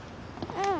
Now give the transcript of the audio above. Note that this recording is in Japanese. うん。